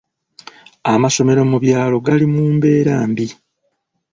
Amasomero mu byalo gali mu mbeera mbi.